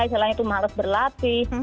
misalnya itu males berlatih